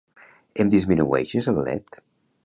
Em disminueixes el led?